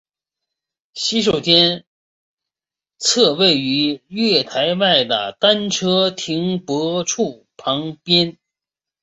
洗手间则位于月台外的单车停泊处旁边。